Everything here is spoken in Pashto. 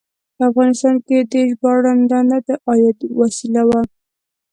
په افغانستان کې هم د ژباړن دنده د عاید وسیله وه.